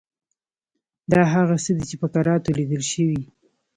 دا هغه څه دي چې په کراتو لیدل شوي.